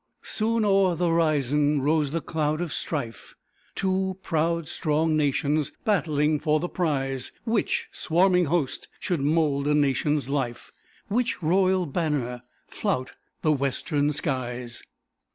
Soon o'er the horizon rose the cloud of strife, Two proud, strong nations battling for the prize: Which swarming host should mould a nation's life; Which royal banner flout the western skies.